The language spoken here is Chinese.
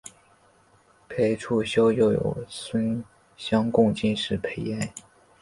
裴处休又有孙乡贡进士裴岩。